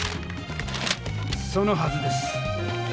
そのはずです。